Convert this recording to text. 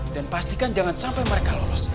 dan pastikan jangan sampai mereka lolos